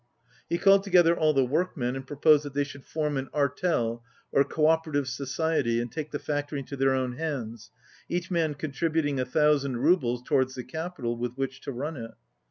He called together all the workmen, and pro posed that they should form an artel or co opera tive society and take the factory into their own hands, each man contributing a thousand roubles towards the capital with which to run it.